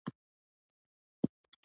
د خلکو په زړونو کې باور ګډېږي.